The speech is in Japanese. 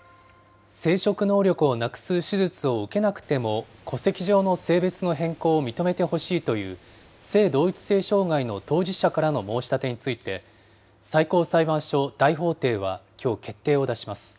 生殖能力をなくす手術を受けなくても戸籍上の性別の変更を認めてほしいという、性同一性障害の当事者からの申し立てについて、最高裁判所大法廷は、きょう、決定を出します。